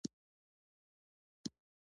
د خیر عمل د مؤمن عزت دی.